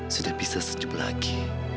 sudah bisa senyum lagi